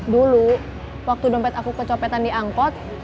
dulu waktu dompet aku kecopetan di angkot